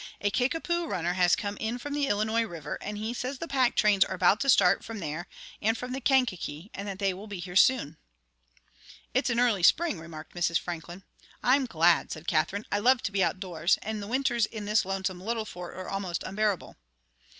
A Kickapoo runner has come in from the Illinois River, and he says the pack trains are about to start from there and from the Kankakee, and that they will be here soon." "It's an early Spring," remarked Mrs. Franklin. "I'm glad," said Katherine; "I love to be outdoors, and the Winters in this lonesome little Fort are almost unbearable."